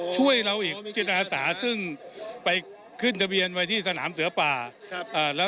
ช่วยเราอีกจิตอาสาซึ่งไปขึ้นทะเบียนไว้ที่สนามเสือป่า